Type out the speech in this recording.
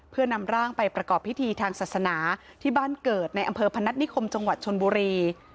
เพื่อนำร่างไปประกอบพิธีทางศาสนาที่บ้านเกิดในอำเภอพนัฐนิคมจังหวัดชนบุรี